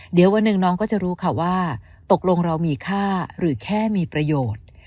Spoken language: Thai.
เดี๋ยววันหนึ่งน้องก็จะรู้ค่ะว่าตกลงเรามีค่าหรือแค่มีประโยชน์